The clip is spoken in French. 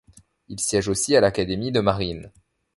Il siège aussi à l'Académie de marine.